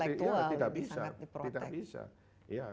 ini ya kekayaan intelektual